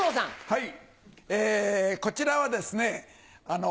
はい！